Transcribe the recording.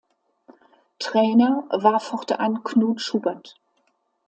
Trainer war fortan Knut Schubert.